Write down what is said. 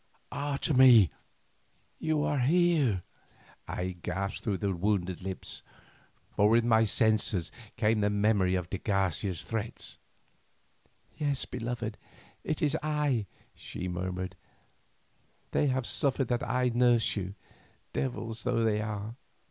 "Otomie! you here!" I gasped through my wounded lips, for with my senses came the memory of de Garcia's threats. "Yes, beloved, it is I," she murmured; "they have suffered that I nurse you, devils though they are.